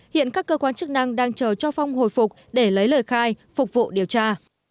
hiện các cơ quan chức năng đang chờ cho phong hồi phục để lấy lời khai phục vụ điều tra